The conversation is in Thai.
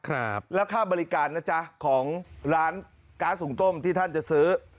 ครับแล้วค่าบริการนะจ๊ะของร้านก๊าซหุ่งต้มที่ท่านจะซื้อ